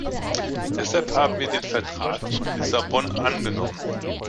Deshalb haben wir den Vertrag von Lissabon angenommen.